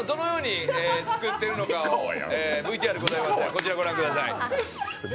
こちらご覧ください。